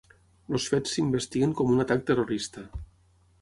Els fets s’investiguen com un atac terrorista.